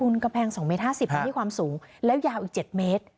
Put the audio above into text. อุ้นกำแพงสองเมตรห้าสิบครั้งที่ความสูงแล้วยาวอีกเจ็ดเมตร